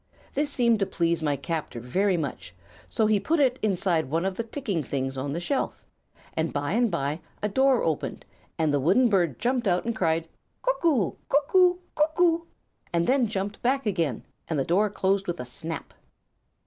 This seemed to please my captor very much; so he put it inside one of the ticking things on the shelf, and by and by a door opened and the wooden bird jumped out and cried 'Cuck oo! Cuck oo! Cuck oo!' and then jumped back again and the door closed with a snap.